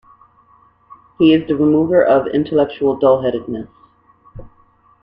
He is the remover of intellectual dull-headedness.